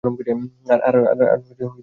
আর খিল্লি করবি না?